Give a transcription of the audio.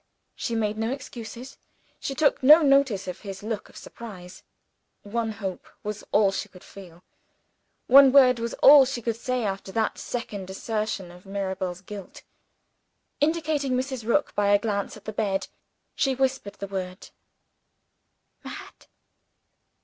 She made no excuses: she took no notice of his look of surprise. One hope was all she could feel, one word was all she could say, after that second assertion of Mirabel's guilt. Indicating Mrs. Rook by a glance at the bed, she whispered the word: "Mad?"